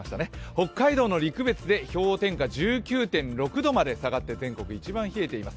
北海道の陸別で氷点下１９．６度まで下がって全国一番冷えています、